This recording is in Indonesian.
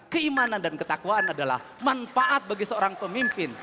keimanan dan ketakwaan adalah manfaat bagi seorang pemimpin